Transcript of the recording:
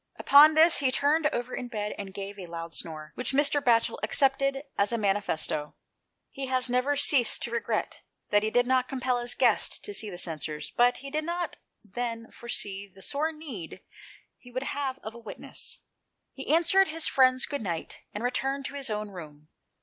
Upon this, he turned over in bed and gave a loud snore, which Mr. Batchel accepted as a manifesto. He has never ceased to regret that he did not compel his guest to see the censers, but he did not then foresee the sore need he would have of a witness. He answered his friend's good night, and returned to his own room.